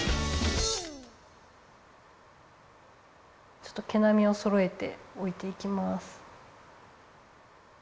ちょっと毛なみをそろえておいていきます。